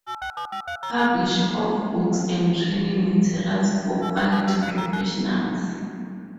Publisher of books and training materials for quality professionals.